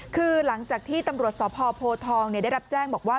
คือหลังจากที่ตำรวจสพโพทองได้รับแจ้งบอกว่า